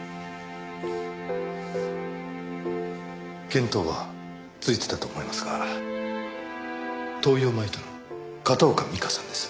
見当はついてたと思いますが灯油を撒いたの片岡美加さんです。